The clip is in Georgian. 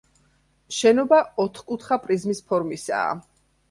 შენობა ოთხკუთხა პრიზმის ფორმისაა.